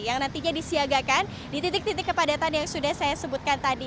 yang nantinya disiagakan di titik titik kepadatan yang sudah saya sebutkan tadi